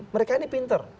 karena ini pinter